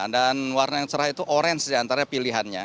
dan warna yang cerah itu orange antara pilihannya